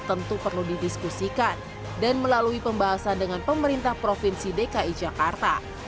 tentu perlu didiskusikan dan melalui pembahasan dengan pemerintah provinsi dki jakarta